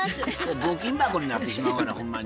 募金箱になってしまうがなほんまに。